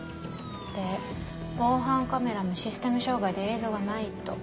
で防犯カメラもシステム障害で映像がないと。